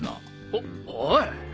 おおい！